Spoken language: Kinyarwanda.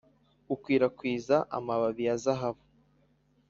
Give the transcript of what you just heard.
ukwirakwiza amababi ya zahabu!